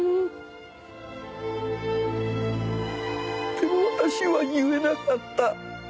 でも私は言えなかった。